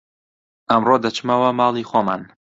ئەمڕۆ دەچمەوە ماڵی خۆمان